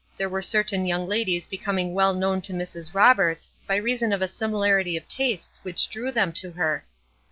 There were certain young ladies becoming well known to Mrs. Roberts, by reason of a similarity of tastes which drew them to her.